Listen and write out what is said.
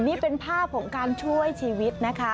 นี่เป็นภาพของการช่วยชีวิตนะคะ